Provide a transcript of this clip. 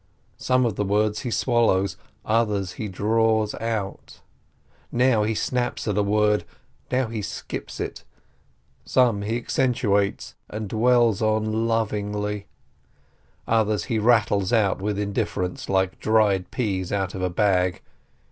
Some of the words he swallows, others he draws out ; now he snaps at a word, and now he skips it; some he accentuates and dwells on lovingly, others he rattles out with indifference, like dried peas out of a bag.